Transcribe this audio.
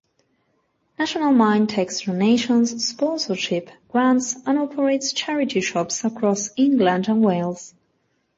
National Mind takes donations, sponsorship, grants and operates charity shops across England and Wales.